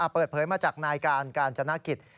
เปิดเผยมาจากนายการกาญจนกิจ